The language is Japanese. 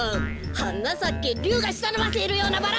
「はなさけりゅうがしたをのばしてるようなバラ」